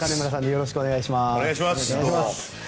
よろしくお願いします。